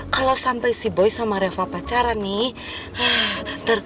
kalau sampai si boy sama reva pacaran nih